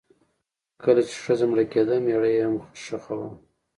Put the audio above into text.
کله چې ښځه مړه کیده میړه یې هم خښاوه.